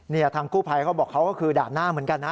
นี่ทางกู้ภัยเขาบอกเขาก็คือด่านหน้าเหมือนกันนะ